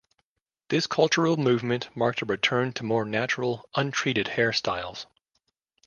This cultural movement marked a return to more natural, untreated hairstyles.